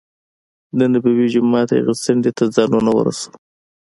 دنبوي جومات هغې څنډې ته ځانونه ورسو.